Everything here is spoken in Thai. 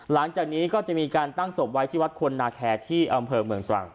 หลังจากนี้ก็จะมีการตั้งศพไว้ที่วัดควรนาแคร์ที่อำเภอเมืองตรัง